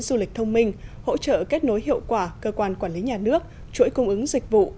du lịch thông minh hỗ trợ kết nối hiệu quả cơ quan quản lý nhà nước chuỗi cung ứng dịch vụ